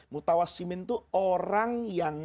mutawassimin itu orang yang